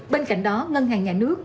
bên cạnh đó ngân hàng nhà nước